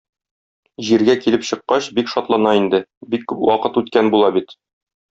Җиргә килеп чыккач, бик шатлана инде, бик күп вакыт үткән була бит.